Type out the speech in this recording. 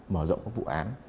mở rộng các vụ án